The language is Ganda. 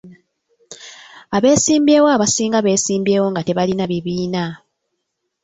Abesimbyewo abasinga beesimbyewo nga tebalina bibiina.